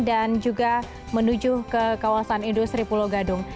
dan juga menuju ke kawasan industri pulau gadung